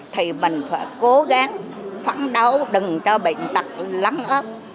thì mình phải cố gắng phản đấu đừng cho bệnh tật lắng ớt